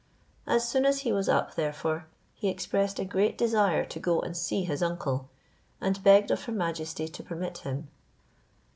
As soon as he was up, therefore, he expressed a great desire to go and see his uncle, and begged of her majesty to permit him.